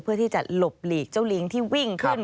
เพื่อที่จะหลบหลีกเจ้าลิงที่วิ่งขึ้น